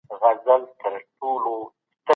برلین د افغانستان د بشري ناورین د مخنیوي لپاره څه کوي؟